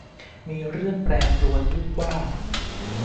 มีเรื่องแปรปรวนวูบวาบ